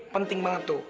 penting banget tuh